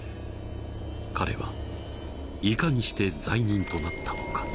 ［彼はいかにして罪人となったのか］